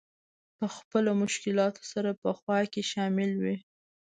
په خپله له مشکلاتو سره په خوا کې شامل وي.